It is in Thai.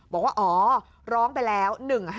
บอกว่าอ๋อร้องไปแล้ว๑๕๗